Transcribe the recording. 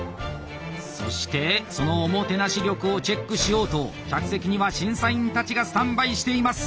そしてそのおもてなし力をチェックしようと客席には審査員たちがスタンバイしています！